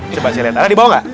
coba saya lihat ada di bawah nggak